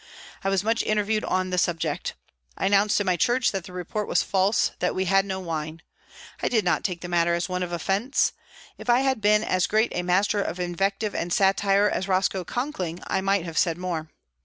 I was much interviewed on the subject. I announced in my church that the report was false, that we had no wine. I did not take the matter as one of offence. If I had been as great a master of invective and satire as Roscoe Conkling I might have said more.